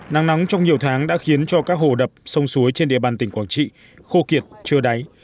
nắng nóng trong nhiều tháng đã khiến cho các hồ đập sông suối trên địa bàn tỉnh quảng trị khô kiệt chưa đáy